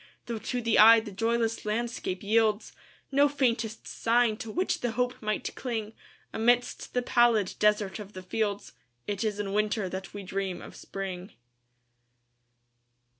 Though, to the eye, the joyless landscape yieldsNo faintest sign to which the hope might cling,—Amidst the pallid desert of the fields,—It is in Winter that we dream of Spring.